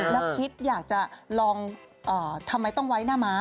แล้วคิดอยากจะลองทำไมต้องไว้หน้าม้า